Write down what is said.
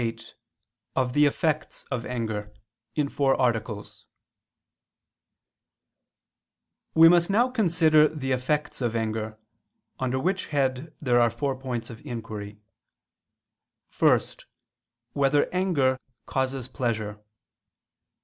________________________ QUESTION 48 OF THE EFFECTS OF ANGER (In Four Articles) We must now consider the effects of anger: under which head there are four points of inquiry: (1) Whether anger causes pleasure?